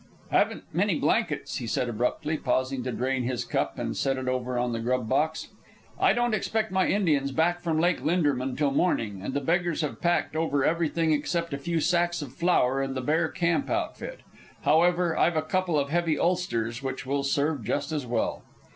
"Haven't many blankets," he said abruptly, pausing to drain his cup and set it over on the grub box. "I don't expect my Indians back from Lake Linderman till morning, and the beggars have packed over everything except a few sacks of flour and the bare camp outfit. However, I've a couple of heavy ulsters which will serve just as well."